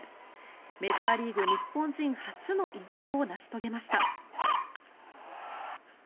メジャーリーグ日本人初の偉業を成し遂げました。